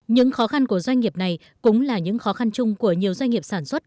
những khó khăn của doanh nghiệp này cũng là những khó khăn chung của nhiều doanh nghiệp sản xuất